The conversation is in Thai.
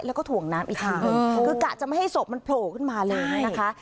แล้วก็ถ่วงน้ำอีกทีหนึ่งคือกะจะไม่ให้ศพมันโผล่ขึ้นมาเลยนะคะ